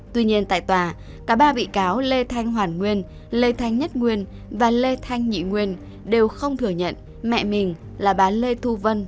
tuy nhiên tại tòa cả ba bị cáo lê thanh hoàn nguyên lê thanh nhất nguyên và lê thanh nhị nguyên đều không thừa nhận mẹ mình là bà lê thu vân